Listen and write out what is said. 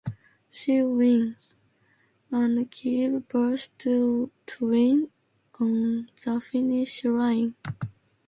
She wins, and gives birth to twins on the finish line.